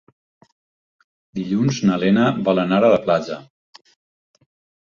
Dilluns na Lena vol anar a la platja.